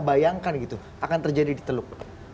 bayangkan gitu akan terjadi di teluk